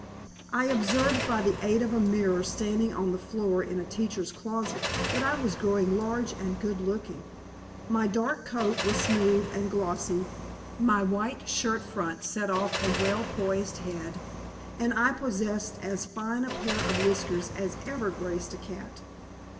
I observed by the aid of a mirror standing on the floor in a teacher's closet that I was growing large and good looking; my dark coat was smooth and glossy, my white shirt front set off a well poised head, and I possessed as fine a pair of whiskers as ever graced a cat.